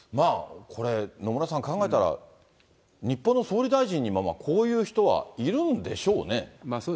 これ、野村さん、考えたら日本の総理大臣にこういう人はいるそうでしょうね。